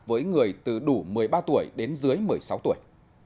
với người từ đủ một mươi ba tuổi đến dưới một mươi sáu tuổi